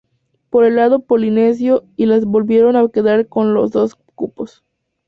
Por el lado polinesio, y las volvieron a quedarse con los dos cupos.